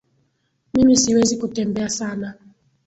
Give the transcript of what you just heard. Mimi siwezi kutembea sana